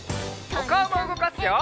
おかおもうごかすよ！